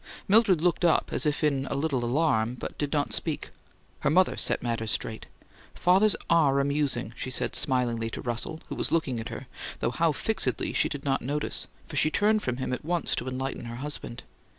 Mildred looked up, as if in a little alarm, but did not speak. Her mother set matters straight. "Fathers ARE amusing," she said smilingly to Russell, who was looking at her, though how fixedly she did not notice; for she turned from him at once to enlighten her husband.